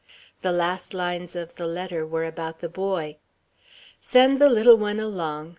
The last lines of the letter were about the boy. "Send the little one along.